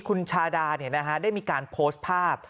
คุณชาดาได้มีการโพสต์ภาพ